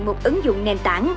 một ứng dụng nền tảng